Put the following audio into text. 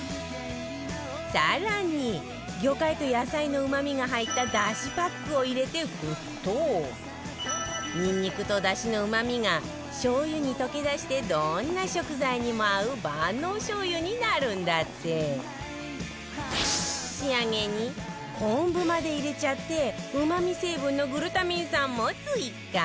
更に魚介と野菜のうまみが入っただしパックを入れて沸騰ニンニクと、だしのうまみがしょう油に溶け出してどんな食材にも合う万能しょう油になるんだって仕上げに昆布まで入れちゃってうまみ成分のグルタミン酸も追加